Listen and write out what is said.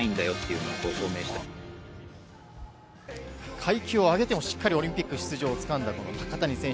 階級を上げてもしっかりオリンピック出場を掴んだ高谷選手。